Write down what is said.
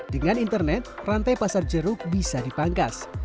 dengan internet rantai pasar jeruk bisa dipangkas